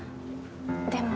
でも。